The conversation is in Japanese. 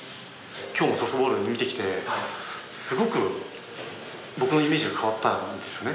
今日もソフトボール見てきてすごく僕のイメージが変わったんですよね